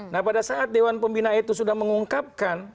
nah pada saat dewan pembina itu sudah mengungkapkan